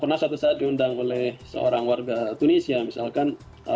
pernah suatu saat diundang oleh seorang warga tunisia misalkan